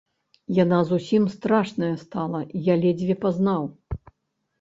Яна зусім страшная стала, я ледзьве пазнаў.